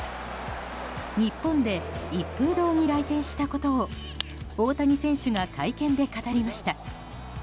日本で一風堂に来店したことを大谷選手が会見で語りました。